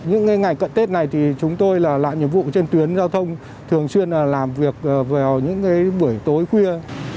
những ngày cận tết này thì chúng tôi là làm nhiệm vụ trên tuyến giao thông thường xuyên làm việc vào những buổi tối khuya